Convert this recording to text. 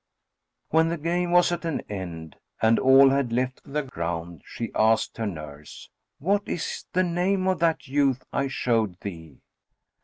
When the game was at an end, and all had left the ground, she asked her nurse, "What is the name of that youth I showed thee?"